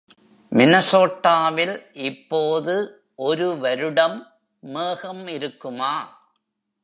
மினசோட்டாவில் இப்போது ஒரு வருடம் மேகம் இருக்குமா?